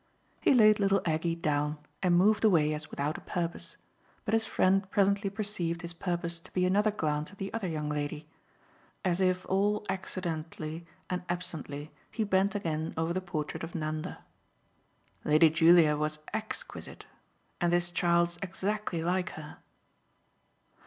He laid little Aggie down and moved away as without a purpose; but his friend presently perceived his purpose to be another glance at the other young lady. As if all accidentally and absently he bent again over the portrait of Nanda. "Lady Julia was exquisite and this child's exactly like her."